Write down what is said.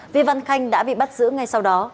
vi văn khanh đã bị bắt giữ ngay sau đó